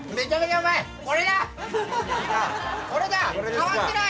変わってない。